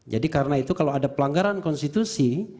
jadi karena itu kalau ada pelanggaran konstitusi